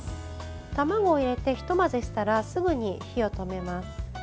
卵を入れて、ひと混ぜしたらすぐに火を止めます。